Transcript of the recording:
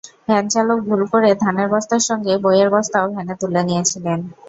ভ্যানচালক ভুল করে ধানের বস্তার সঙ্গে বইয়ের বস্তাও ভ্যানে তুলে নিয়েছিলেন।